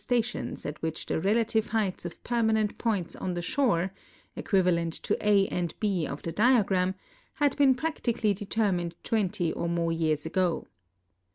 slatiniis at which the rehitive heights of pennaniMit ))()ints on the shore (equivalent to A and B of the diagram) had hcen practically de termined twenty or more years ago.